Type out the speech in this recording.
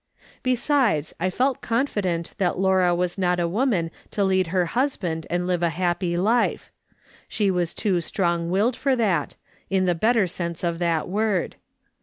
Besides, I felt confident that Laura was not a woman to lead her husband and live a happy life ; she was too strong willed for that, in the better sense of that word.